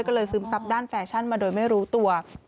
ก็เลยซึมซับด้านแฟชั่นมาโดยไม่รู้ตัว